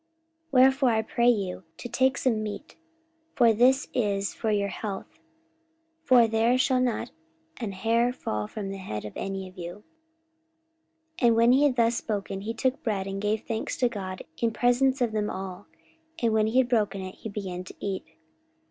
44:027:034 Wherefore I pray you to take some meat: for this is for your health: for there shall not an hair fall from the head of any of you. 44:027:035 And when he had thus spoken, he took bread, and gave thanks to God in presence of them all: and when he had broken it, he began to eat.